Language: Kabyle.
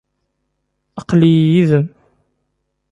Aql-iyi yid-m.